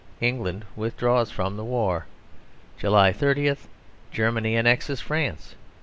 England withdraws from the war. July 30. Germany annexes France.